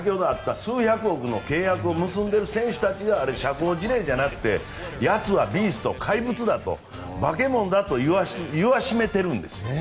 だからメジャーの数百億の契約を結んでる選手たちが社交辞令じゃなくてやつはビースト、怪物だと化け物だといわしめているんです。